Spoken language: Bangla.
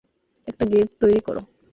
একটা ঘের তৈরি করো!